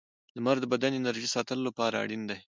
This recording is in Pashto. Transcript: • لمر د بدن د انرژۍ ساتلو لپاره اړین دی.